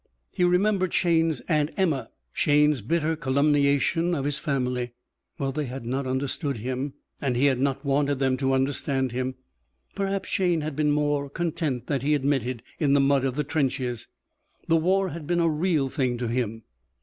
He remembered Shayne's Aunt Emma, Shayne's bitter calumniation of his family. Well, they had not understood him and he had not wanted them to understand him. Perhaps Shayne had been more content than he admitted in the mud of the trenches. The war had been a real thing to him.